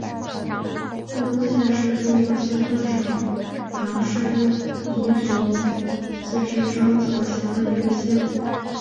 会东县是中国四川省凉山彝族自治州所辖的一个县。